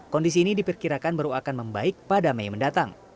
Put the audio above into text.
kondisi ini diperkirakan baru akan membaik pada mei mendatang